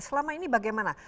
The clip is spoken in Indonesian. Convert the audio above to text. selama ini bagaimana